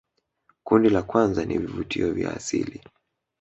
kundi la kwanza ni vivutio vya asili